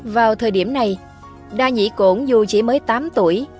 vào thời điểm này đa nhĩ cổn dù chỉ mới tám tuổi